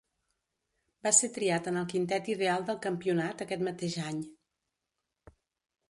Va ser triat en el quintet ideal del campionat aquest mateix any.